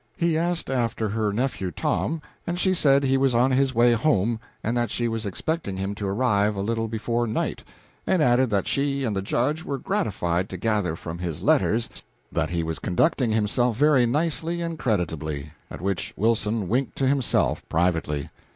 He asked after her nephew Tom, and she said he was on his way home, and that she was expecting him to arrive a little before night; and added that she and the Judge were gratified to gather from his letters that he was conducting himself very nicely and creditably at which Wilson winked to himself privately.